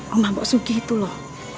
rumah mbok sugi itu loh